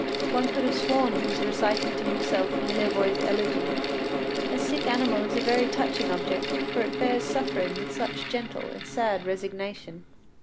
One could have sworn he was reciting to himself Millevoye’s elegy. A sick animal is a very touching object, for it bears suffering with such gentle and sad resignation.